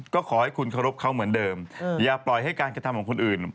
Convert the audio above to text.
ก็ขอให้คุณเคารพเขาเหมือนเดิมอย่าปล่อยให้การกระทำของคนอื่น